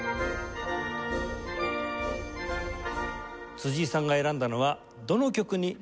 辻井さんが選んだのはどの曲になりますか？